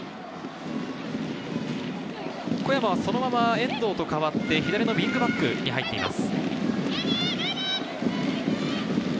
小山はそのまま遠藤と変わって、左のウイングバックに入っています。